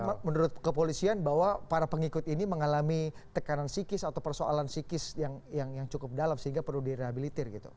menurut kepolisian bahwa para pengikut ini mengalami tekanan psikis atau persoalan psikis yang cukup dalam sehingga perlu direhabilitir gitu